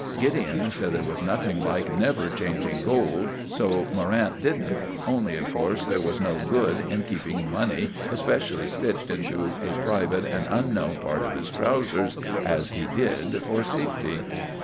Gideon said there was nothing like never changing gold; so Morrant didn't, only of course there was no good in keeping the money specially stitched into a private and unknown part of his trousers, as he did, for safety.